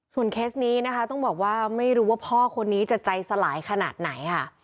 เคสนี้นะคะต้องบอกว่าไม่รู้ว่าพ่อคนนี้จะใจสลายขนาดไหนค่ะ